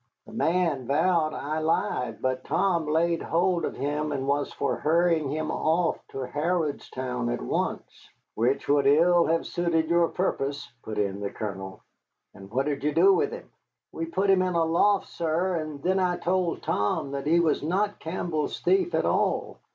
"The man vowed I lied, but Tom laid hold of him and was for hurrying him off to Harrodstown at once." "Which would ill have suited your purpose," put in the Colonel. "And what did you do with him?" "We put him in a loft, sir, and then I told Tom that he was not Campbell's thief at all.